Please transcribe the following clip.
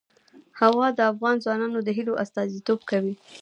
هوا د افغان ځوانانو د هیلو استازیتوب کوي.